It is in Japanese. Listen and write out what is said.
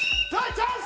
チャンス！